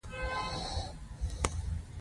د زیاترو ملګرو سترګې اوښلنې وې.